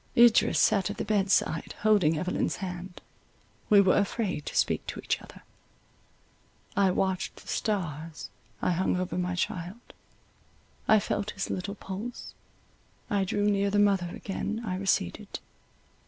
Idris sat at the bedside, holding Evelyn's hand; we were afraid to speak to each other; I watched the stars —I hung over my child—I felt his little pulse—I drew near the mother—again I receded.